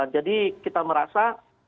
jadi kita merasa